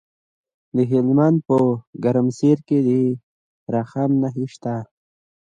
د هلمند په ګرمسیر کې د رخام نښې شته.